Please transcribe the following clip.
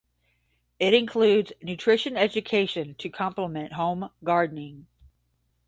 It includes nutrition education to complement home gardening.